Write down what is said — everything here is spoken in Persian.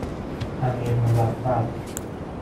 امیرمظفر